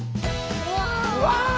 うわ。